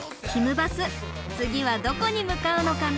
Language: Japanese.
バス次はどこに向かうのかな？